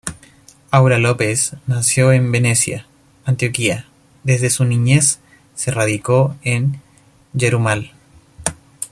Aura López nació en Venecia, Antioquia; desde su niñez se radicó en Yarumal.